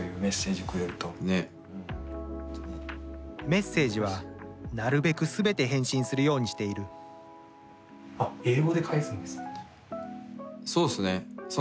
メッセージはなるべく全て返信するようにしているそうっすね。